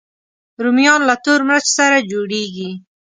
رومیان له تور مرچ سره جوړېږي